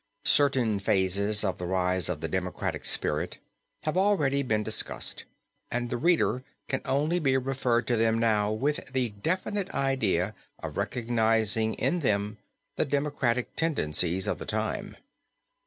] Certain phases of the rise of the democratic spirit have already been discussed, and the reader can only be referred to them now with the definite idea of recognizing in them the democratic tendencies of the time.